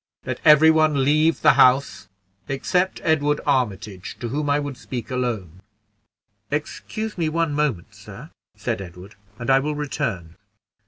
Let every one leave the house except Edward Armitage, to whom I would speak alone." "Excuse me one moment, sir," said Edward, "and I will return."